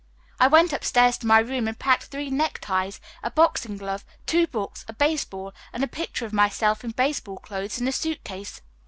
I went upstairs to my room and packed three neckties, a boxing glove, two books, a baseball and a picture of myself in baseball clothes in a suit case.